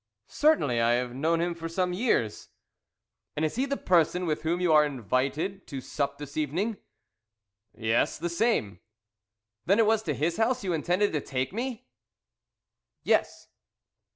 _" "Certainly. I have known him for some years." "And is he the person with whom you are invited to sup this evening?" "Yes, the same." "Then it was to his house you intended to take me?" "Yes."